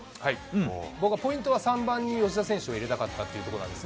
僕はポイントは３番に吉田選手を入れたかったというところなんですね。